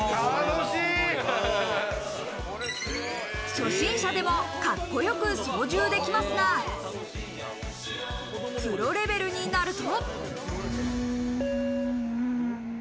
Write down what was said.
初心者でもカッコよく操縦できますが、プロレベルになると。